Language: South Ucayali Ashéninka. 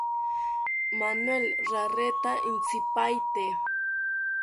Manuel rareta intzipaete